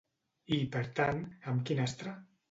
I, per tant, amb quin astre?